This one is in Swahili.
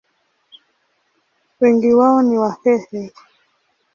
Wengi wao ni Wahehe.